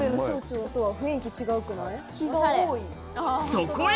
そこへ！